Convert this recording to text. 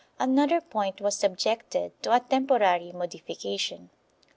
1 Another point was subjected to a temporary modification.